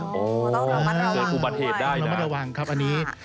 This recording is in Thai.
ต้องระมัดระวังระมัดระวังครับอันนี้